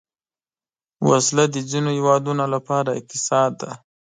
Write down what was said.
وسله د ځینو هیوادونو لپاره اقتصاد ده